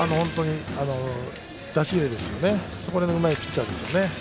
出し入れですよね、そこら辺がうまいピッチャーですよね。